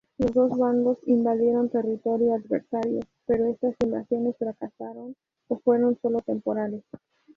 Los dos bandos invadieron territorio adversario, pero estas invasiones fracasaron o fueron solo temporales.